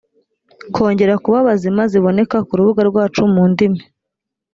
kongera kuba bazima ziboneka ku rubuga rwacu mu ndimi